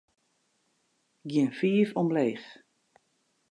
Gean fiif omleech.